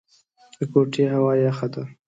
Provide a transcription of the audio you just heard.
د کوټې هوا يخه ده.